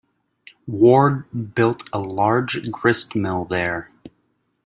Ward built a large gristmill there.